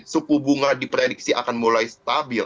suku bunga diprediksi akan mulai stabil